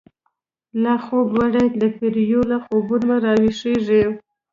لاخوب وړی دپیړیو، له خوبونو راویښیږی